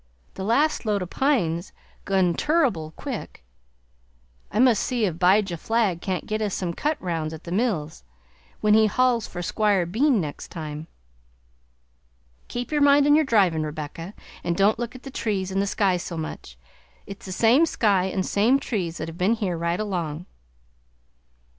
The last load o' pine's gone turrible quick; I must see if "Bijah Flagg can't get us some cut rounds at the mills, when he hauls for Squire Bean next time. Keep your mind on your drivin', Rebecca, and don't look at the trees and the sky so much. It's the same sky and same trees that have been here right along.